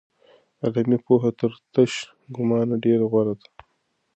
علمي پوهه تر تش ګومان ډېره غوره ده.